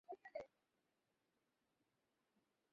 তিনি অভূতপূর্ব সফলতা পেয়েছিলেন।